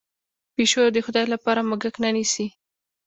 پیشو د خدای لپاره موږک نه نیسي.